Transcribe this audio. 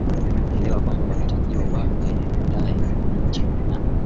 kuelewa kwamba wana takiwa waaa waandae miche naa